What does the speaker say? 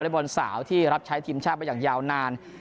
บอลสาวที่รับใช้ทีมชาติมาอย่างยาวนาน